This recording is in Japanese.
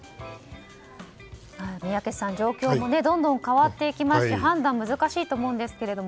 宮家さん、状況もどんどん変わっていきまして判断が難しいと思うんですが。